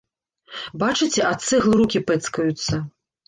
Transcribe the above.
Бачыце, ад цэглы рукі пэцкаюцца?